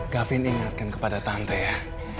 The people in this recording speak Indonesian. gavin ingatkan kepada tante ya